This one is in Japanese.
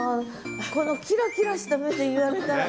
このキラキラした目で言われたら。